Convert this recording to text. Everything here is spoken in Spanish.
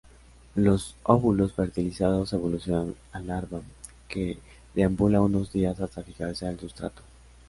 Los óvulos fertilizados evolucionan a larva, que deambula unos días hasta fijarse al sustrato.